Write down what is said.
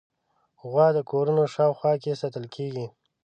غوا د کورونو شاوخوا کې ساتل کېږي.